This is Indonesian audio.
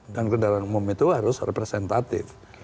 dan kendaraan umum itu harus representatif